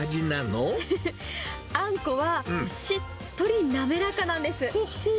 あんこはしっとり滑らかなんほっほー。